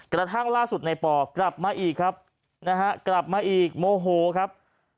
กระทั่งล่าสุดในปอกลับมาอีกครับนะฮะกลับมาอีกโมโหครับ